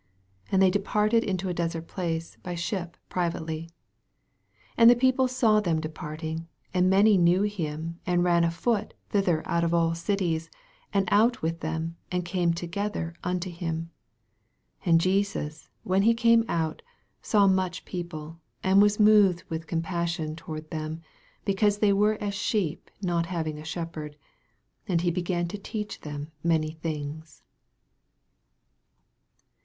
32 And they departed into a desert place by ship privately. 33 And the people sawthem depart ing, and many knew him, ana ran afoot thither out of all cities, and out went them, and came together unto him. 34 And Jesus, when he came out, saw much people, and was moved with compassion toward them, because they were as sheep not having a shepherd : and he began to teach them many things.